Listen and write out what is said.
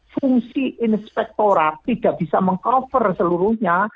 fungsi inspektorat tidak bisa mengcover seluruhnya